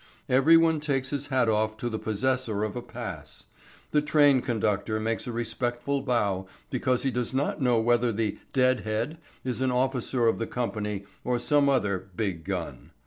Every one takes his hat off to the possessor of a pass. The train conductor makes a respectful bow because he does not know whether the "dead head" is an officer of the company or some other "big gun."